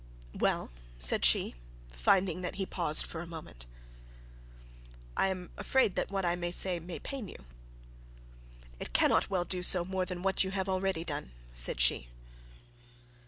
'Well,' said she, finding that he paused for a moment. 'I am afraid that what I may say may pain you.' 'It cannot well do so more than what you have already done,' said she.